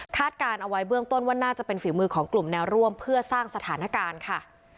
การเอาไว้เบื้องต้นว่าน่าจะเป็นฝีมือของกลุ่มแนวร่วมเพื่อสร้างสถานการณ์ค่ะ